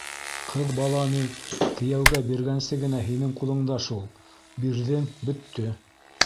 — Ҡыҙ бала ни, кейәүгә биргәнсе генә һинең ҡулыңда шул ул. Бирҙең — бөттө.